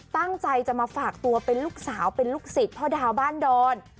ตั้งใจจะมาฝากตัวเป็นลูกสาวเป็นลูกศิษย์พ่อดาวบ้านดอน